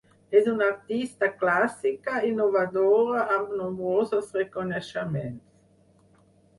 És una artista clàssica innovadora amb nombrosos reconeixements.